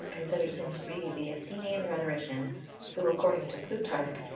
300, considers him to be the Athenian rhetorician who, according to Plutarch (Lucullus, c.